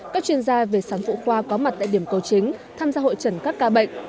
các chuyên gia về sản phụ khoa có mặt tại điểm cầu chính tham gia hội trần các ca bệnh